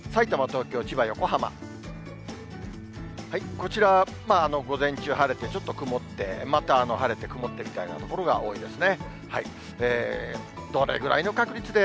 こちら、午前中晴れて、ちょっと曇って、また晴れて曇ってみたいな所が多いですね。